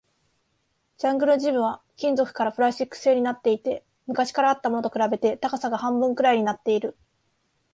ジャングルジムは金属からプラスチック製になっていて、昔あったものと比べて高さが半分くらいになっている